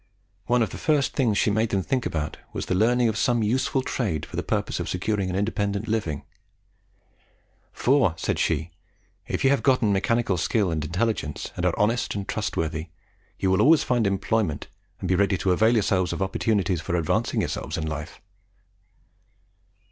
One of the first things she made them think about was, the learning of some useful trade for the purpose of securing an independent living; "for," said she, "if you have gotten mechanical skill and intelligence, and are honest and trustworthy, you will always find employment and be ready to avail yourselves of opportunities for advancing yourselves in life."